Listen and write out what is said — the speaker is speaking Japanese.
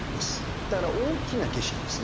だから大きな景色ですね。